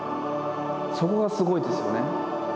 そこがすごいですよね。